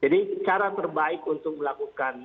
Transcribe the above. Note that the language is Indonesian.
jadi cara terbaik untuk melakukan